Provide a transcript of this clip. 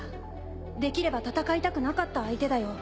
できれば戦いたくなかった相手だよ。